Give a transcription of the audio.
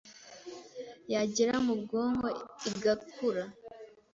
yagera mu bwonko igakura